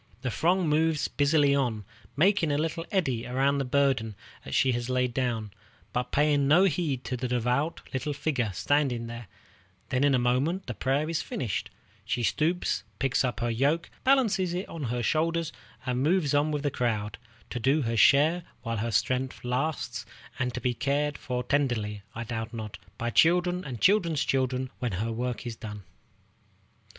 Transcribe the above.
The throng moves busily on, making a little eddy around the burden she has laid down, but paying no heed to the devout little figure standing there; then in a moment the prayer is finished; she stoops, picks up her yoke, balances it on her shoulders, and moves on with the crowd, to do her share while her strength lasts, and to be cared for tenderly, I doubt not, by children and children's children when her work is done.